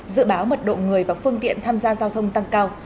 dự báo mật độ người và phương tiện tham gia giao thông tăng cao